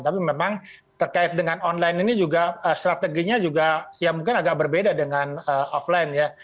tapi memang terkait dengan online ini juga strateginya juga ya mungkin agak berbeda dengan offline ya